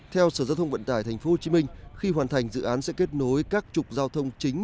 theo sở giao thông vận tải tp hcm khi hoàn thành dự án sẽ kết nối các trục giao thông chính